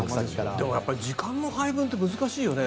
でも時間の配分って難しいよね。